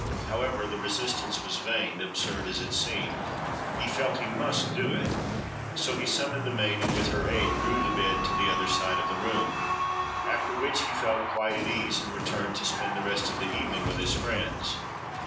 However, the resistance was vain, absurd as it seemed, he felt he must do it; so he summoned the maid, and with her aid, drew the bed to the other side of the room; after which he felt quite at ease and returned to spend the rest of the evening with his friends.